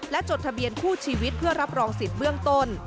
จดทะเบียนคู่ชีวิตเพื่อรับรองสิทธิ์เบื้องต้น